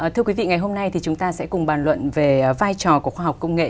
thưa quý vị ngày hôm nay thì chúng ta sẽ cùng bàn luận về vai trò của khoa học công nghệ